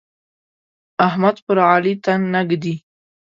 احمد پر علي تن نه ږدي.